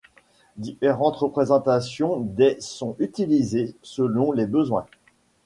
Différentes représentations des sont utilisées selon les besoins.